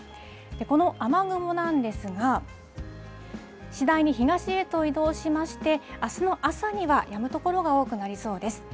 この雨雲なんですが、次第に東へと移動しまして、あすの朝にはやむ所が多くなりそうです。